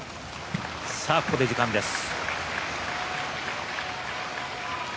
ここで時間です。